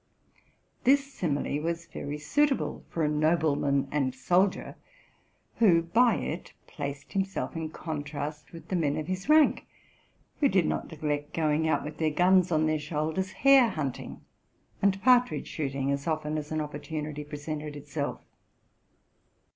'' This simile was very suitable for a nobleman and soldier, who by it placed himself in contrast with the men of his rank, who did not neglect going out, with their guns on their shoulders, hare hunting and partridge shooting, as often as an opportunity presented itself.